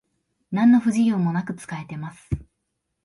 なんの不自由もなく使えてます